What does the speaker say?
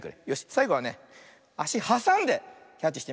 さいごはねあしはさんでキャッチしてみるよ。